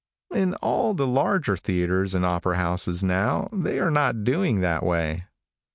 In all the larger theatres and opera houses, now, they are not doing that way.